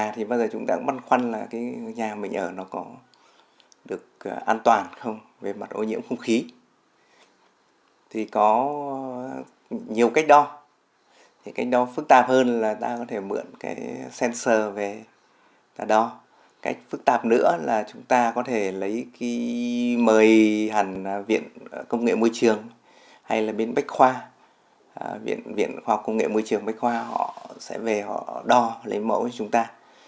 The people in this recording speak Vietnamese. khi mời hẳn viện công nghệ môi trường hay là bên bách khoa viện khoa công nghệ môi trường bách khoa họ sẽ về họ đo lấy mẫu cho chúng ta